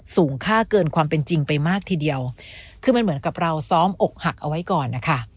สูงค่าเกินความเป็นจริงไปมากทีเดียวคือมันเหมือนกับเราซ้อมอกหักเอาไว้ก่อนนะคะ